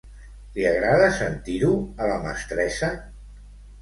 Li agrada sentir-ho, a la mestressa?